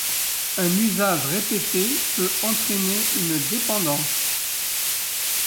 Un usage répété peut entraîner une dépendance.